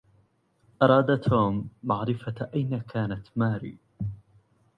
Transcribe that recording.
أراد توم معرفة أين كانت ماري.